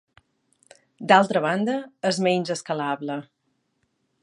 D'altra banda, és menys escalable.